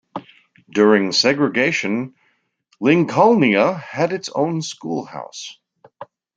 During segregation, Lincolnia had its own schoolhouse.